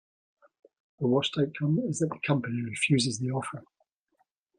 The worst outcome is that the company refuses the offer.